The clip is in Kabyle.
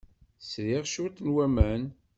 Sriɣ cwiṭ n waman.